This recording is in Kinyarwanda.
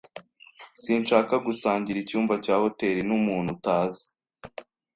Sinshaka gusangira icyumba cya hoteri n’umuntu utazi.